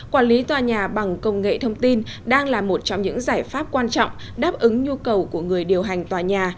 quản lý tòa nhà bằng công nghệ thông tin đang là một trong những giải pháp quan trọng đáp ứng nhu cầu của người điều hành tòa nhà